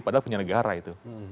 padahal punya negara itu